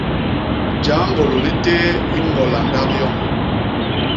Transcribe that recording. Jañgôlô li téé i ñgola ndap yoñ.